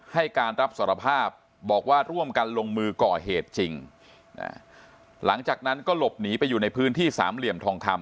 ให้การรับสารภาพบอกว่าร่วมกันลงมือก่อเหตุจริงหลังจากนั้นก็หลบหนีไปอยู่ในพื้นที่สามเหลี่ยมทองคำ